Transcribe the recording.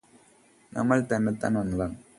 നമ്മള് തന്നത്താന് വന്നതാണ്